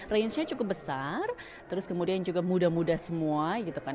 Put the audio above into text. range nya cukup besar terus kemudian juga muda muda semua gitu kan